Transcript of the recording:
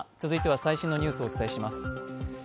続いては最新のニュースをお伝えします。